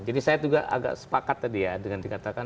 jadi saya juga agak sepakat tadi ya